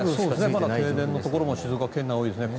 まだ停電のところも静岡県内は多いですね。